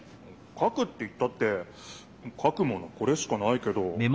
かくって言ったってかくものこれしかないけど？